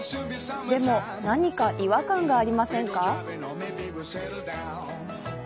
でも、何か違和感がありませんか。